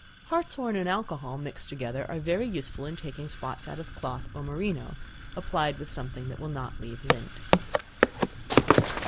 Hartshorn and alcohol mixed together are very useful in taking spots out of cloth or merino, applied with something that will not leave lint.